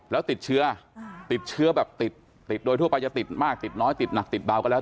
แล้วติดเชื้อติดเชื้อแบบติดโดยทั่วไปจะติดมากติดน้อยติดหนักติดเบาก็แล้ว